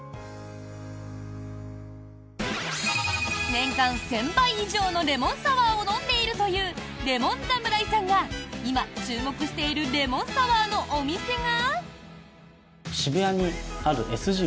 年間１０００杯以上のレモンサワーを飲んでいるというレモンザムライさんが今注目しているレモンサワーのお店が。